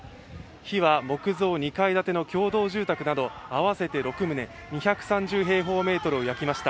火は木造２階建ての共同住宅など合わせて６棟、２３０平方メートルを焼きました。